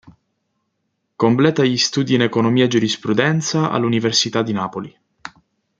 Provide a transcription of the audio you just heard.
Completa gli studi in economia e giurisprudenza all'Università di Napoli.